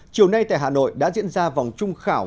chiều nay tại hà nội đã diễn ra vòng trung khảo